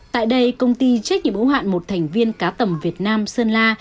tại đây công ty trách nhiệm ủng hạn một thành viên cá tầm việt nam sơn la